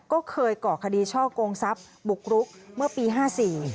ก็เคยก่อคดีช่อกงทรัพย์บุกรุกเมื่อปีห้าสี่